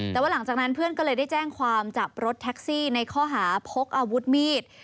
แต่ว่าหลังจากนั้นเพื่อนก็เลยได้แจ้งความจับรถแท็กซี่ในข้อหาพกอาวุธมีด